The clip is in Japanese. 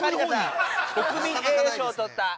国民栄誉賞をとった。